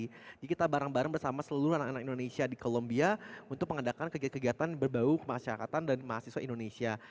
jadi kita bareng bareng bersama seluruh anak anak indonesia di columbia untuk mengadakan kegiatan berbau kemasyarakatan dan mahasiswa indonesia